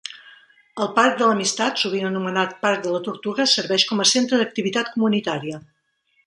El Parc de l'Amistat, sovint anomenat Parc de la Tortuga, serveix com a centre d'activitat comunitària.